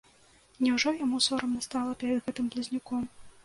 Няўжо яму сорамна стала перад гэтым блазнюком?